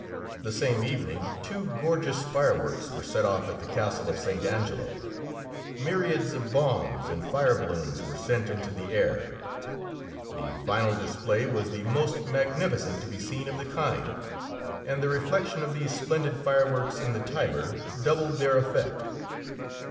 The same evening, too, gorgeous fireworks were set off at the castle of St. Angelo. Myriads of bombs and fire balloons were sent into the air; the final display was the most magnificent to be seen of the kind, and the reflection of these splendid fireworks in the Tiber doubled their effect.